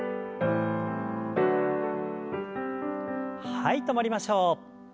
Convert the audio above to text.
はい止まりましょう。